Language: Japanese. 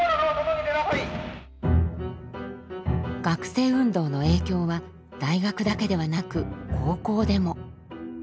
学生運動の影響は大学だけではなく高校でも。